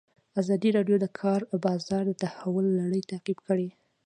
ازادي راډیو د د کار بازار د تحول لړۍ تعقیب کړې.